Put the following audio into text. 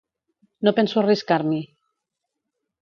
No penso arriscar-m'hi!